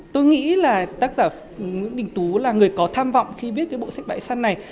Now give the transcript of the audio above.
tôi nghĩ là tác giả nguyễn đình tú là người có tham vọng khi viết cái bộ sách bãi săn này